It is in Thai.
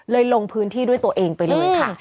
ลงพื้นที่ด้วยตัวเองไปเลยค่ะ